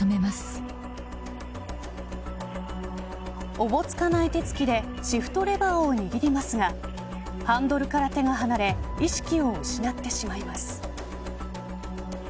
おぼつかない手つきでシフトレバーを握りますがハンドルから手が離れ意識を失ってしまいます。